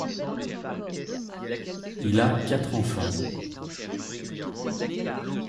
Il a quatre enfants.